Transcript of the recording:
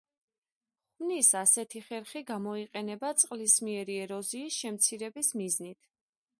ხვნის ასეთი ხერხი გამოიყენება წყლისმიერი ეროზიის შემცირების მიზნით.